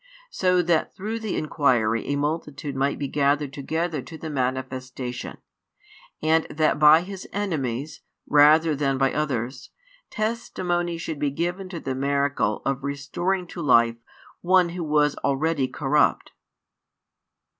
so that through the inquiry a multitude might be gathered together to the manifestation, and that by His enemies, rather than by others, testimony should be given to the miracle of restoring to life one who was already corrupt.